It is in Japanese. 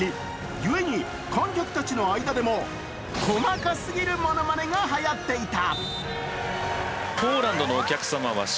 ゆえに、観客たちの間でも細かすぎるものまねがはやっていた。